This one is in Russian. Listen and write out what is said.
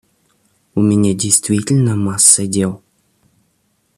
У меня действительно масса дел.